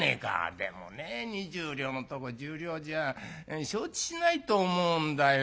「でもね２０両のとこ１０両じゃ承知しないと思うんだよ。